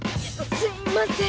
すいません